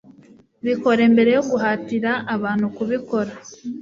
bikore mbere yo guhatira abantu kubikora